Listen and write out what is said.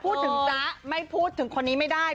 พูดถึงจ๊ะไม่พูดถึงคนนี้ไม่ได้